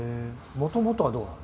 もともとはどうなの？